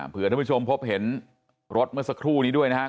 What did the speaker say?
เพื่อท่านผู้ชมพบเห็นรถเมื่อสักครู่นี้ด้วยนะครับ